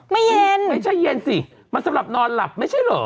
ไม่เย็นไม่ใช่เย็นสิมันสำหรับนอนหลับไม่ใช่เหรอ